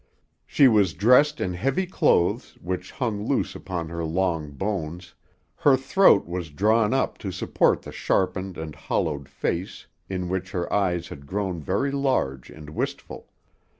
She was dressed in the heavy clothes, which hung loose upon her long bones, her throat was drawn up to support the sharpened and hollowed face in which her eyes had grown very large and wistful.